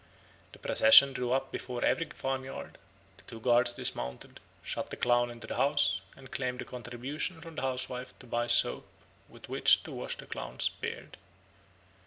The procession drew up before every farmyard; the two guards dismounted, shut the clown into the house, and claimed a contribution from the housewife to buy soap with which to wash the clown's beard.